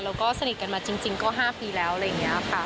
แล้วก็สนิทกันมาจริงก็๕ปีแล้วอะไรอย่างนี้ค่ะ